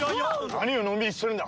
何をのんびりしてるんだ！